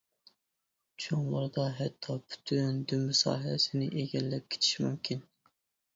چوڭلىرىدا ھەتتا پۈتۈن دۈمبە ساھەسىنى ئىگىلەپ كېتىشى مۇمكىن.